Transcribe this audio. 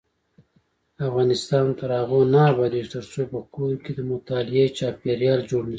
افغانستان تر هغو نه ابادیږي، ترڅو په کور کې د مطالعې چاپیریال جوړ نشي.